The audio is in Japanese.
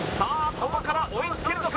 ここから追いつけるのか？